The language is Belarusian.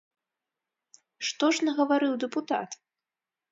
Што ж нагаварыў дэпутат?